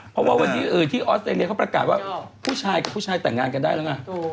เพราะว่าวันนี้ที่ออสเตรเลียเขาประกาศว่าผู้ชายกับผู้ชายแต่งงานกันได้แล้วไง